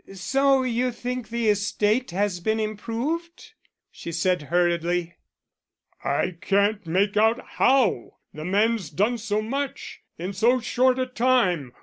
"So you think the estate has been improved?" she said hurriedly. "I can't make out how the man's done so much in so short a time.